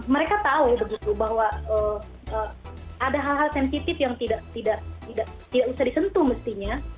mereka tahu begitu bahwa ada hal hal sensitif yang tidak usah disentuh mestinya